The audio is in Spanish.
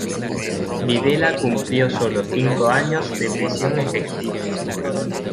Videla cumplió sólo cinco años de prisión efectiva.